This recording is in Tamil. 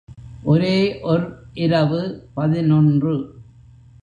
ஒரே ஒர் இரவு பதினொன்று.